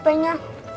pak ini hpnya